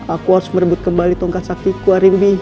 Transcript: aku harus merebut kembali tongkat saktiku aribi